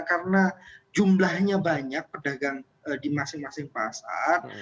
karena jumlahnya banyak pedagang di masing masing pasar